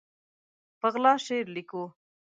په غلا شعر لیکو